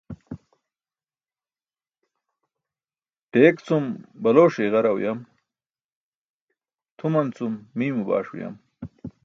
Deek cum baloṣe iġara uyam, tʰuman cum miymo baaṣ uyam.